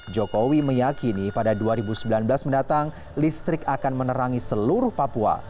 jokowi meyakini pada dua ribu sembilan belas mendatang listrik akan menerangi seluruh papua